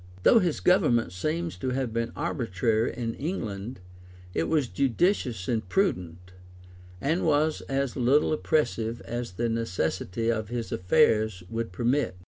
Though his government seems to have been arbitrary in England, it was judicious and prudent; and was as little oppressive as the necessity of his affairs would permit.